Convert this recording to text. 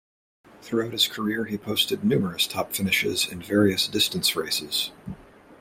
Throughout his career he posted numerous top finishes in various distance races.